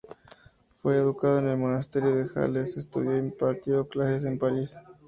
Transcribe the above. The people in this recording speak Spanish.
Fue educado en el monasterio de Hales, estudió e impartió clases en París.